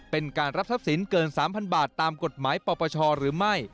เป็นการรับทรัพย์สินเกิน๓๐๐บาทตามกฎหมายปปชหรือไม่